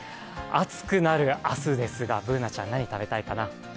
暑くなる明日ですが、Ｂｏｏｎａちゃん、何食べたいかな？